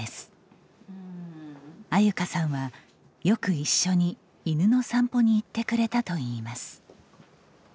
安優香さんはよく一緒に犬の散歩に行ってくれたといいます。